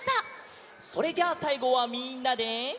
それじゃあさいごはみんなで。